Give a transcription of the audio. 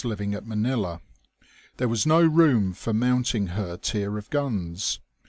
195 living at Manila, there was no room for mounting her tier of guns.